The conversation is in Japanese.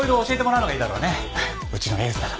うちのエースだから。